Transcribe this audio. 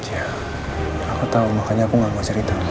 iya aku tau makanya aku gak mau cerita mama